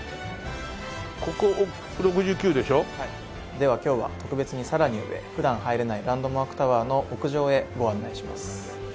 では今日は特別にさらに上普段入れないランドマークタワーの屋上へご案内します。